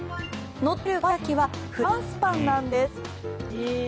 乗っているかば焼きはフランスパンなんです。